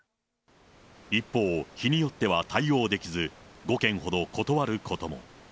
一方、日によっては対応できず、５件ほど断ることも。